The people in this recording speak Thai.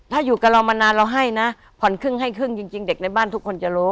ถ้าอยู่กับเรามานานเราให้นะผ่อนครึ่งให้ครึ่งจริงเด็กในบ้านทุกคนจะรู้